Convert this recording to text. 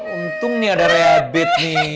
untung nih ada reabed nih